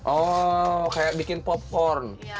oh kayak bikin popcorn